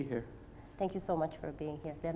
terima kasih banyak telah berada di sini